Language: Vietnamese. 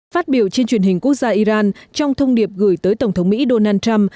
phát biểu trên truyền hình quốc gia iran trong thông điệp gửi tới tổng thống mỹ donald trump